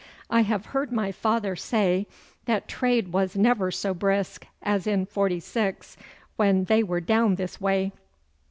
I have heard my father say that trade was never so brisk as in 'forty six, when they were down this way.